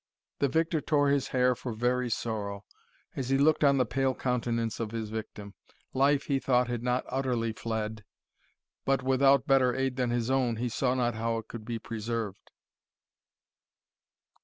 The victor tore his hair for very sorrow, as he looked on the pale countenance of his victim. Life, he thought, had not utterly fled, but without better aid than his own, he saw not how it could be preserved.